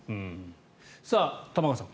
玉川さん